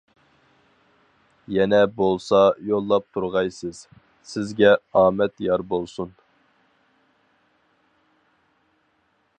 يەنە بولسا يوللاپ تۇرغايسىز، سىزگە ئامەت يار بولسۇن!